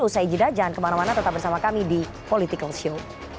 usai jeda jangan kemana mana tetap bersama kami di political show